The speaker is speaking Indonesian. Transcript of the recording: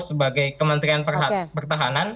sebagai kementerian pertahanan